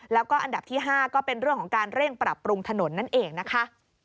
แล้วก็อันดับที่๕ก็เป็นเรื่องของการเร่งปรับปรุงถนนนั่นเองนะคะ